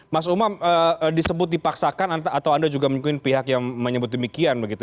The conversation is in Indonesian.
mas umam disebut dipaksakan atau anda juga menyukuin pihak yang menyebut demikian begitu